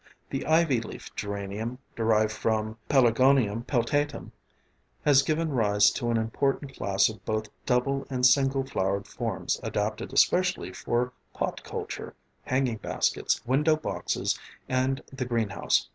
The ivy leaf geranium, derived from P. peltatum, has given rise to an important class of both double and single flowered forms adapted especially for pot culture, hanging baskets, window boxes and the greenhouse.